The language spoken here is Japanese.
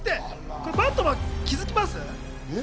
バットマン気づきます？